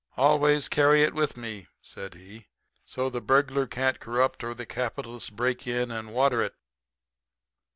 "Always carry it with me," said he. "So the burglar can't corrupt or the capitalist break in and water it."